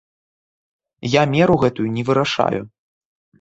Я меру гэтую не вырашаю.